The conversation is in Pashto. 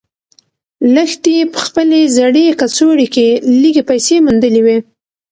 لښتې په خپلې زړې کڅوړې کې لږې پیسې موندلې وې.